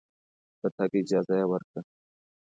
د تګ اجازه یې ورکړه.